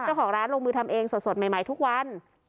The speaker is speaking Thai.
เจ้าของร้านลงมือทำเองสดใหม่ทุกวัน